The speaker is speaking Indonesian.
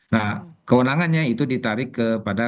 nah kewenangannya itu ditarik kepada